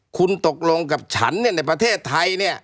คุณตกลงกับฉันเนี่ยในประเทศไทยเนี่ย